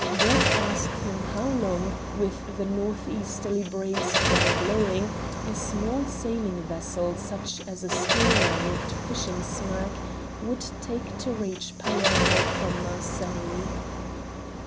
Brett asked him how long, with the north easterly breeze then blowing, a small sailing vessel, such as a schooner rigged fishing smack, would take to reach Palermo from Marseilles.